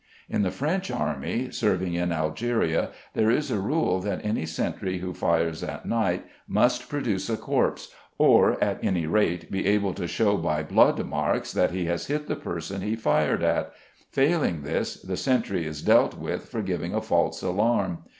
In the French Army serving in Algeria there is a rule that any sentry who fires at night must produce a corpse, or, at any rate, be able to show by blood marks that he has hit the person he fired at, failing this the sentry is dealt with for giving a false alarm.